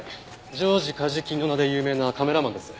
ジョージ梶木の名で有名なカメラマンです。